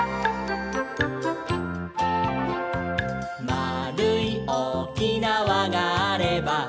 「まあるいおおきなわがあれば」